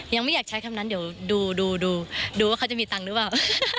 ยังไม่อยากใช้คำนั้นเดี๋ยวดูดูว่าเขาจะมีตังค์หรือเปล่า